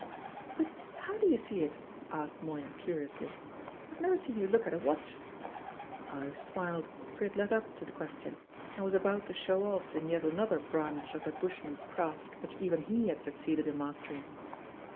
"But how do you see it?" asked Moya curiously. "I've never seen you look at a watch." Ives smiled, for he had led up to the question, and was about to show off in yet another branch of the bushman's craft which even he had succeeded in mastering.